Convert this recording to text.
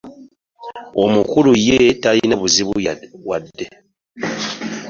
Omukulu ye talina buzibu wadde.